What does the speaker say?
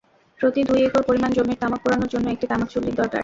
প্রতি দুই একর পরিমাণ জমির তামাক পোড়ানোর জন্য একটি তামাক চুল্লির দরকার।